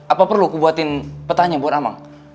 apa perlu kubuatin petanya buat emang